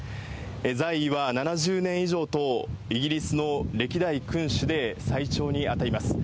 在位は７０年以上と、イギリスの歴代君主で最長に当たります。